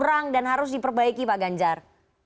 kurang dan harus diperbaiki pak ganjar